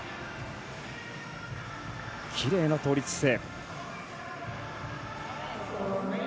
きれいな倒立姿勢。